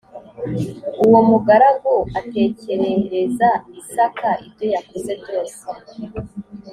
uwo mugaragu atekerereza isaka ibyo yakoze byose